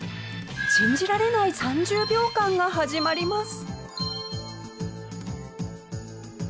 信じられない３０秒間が始まります。